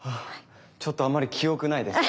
ちょっとあんまり記憶ないです。